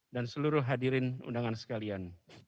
dan seluruh hadirin undangan sekalian